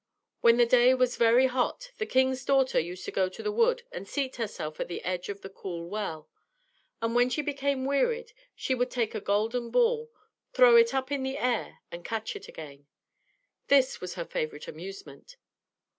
When the day was very hot, the king's daughter used to go to the wood and seat herself at the edge of the cool well; and when she became wearied, she would take a golden ball, throw it up in the air, and catch it again. This was her favourite amusement.